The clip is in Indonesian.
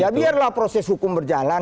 ya biarlah proses hukum berjalan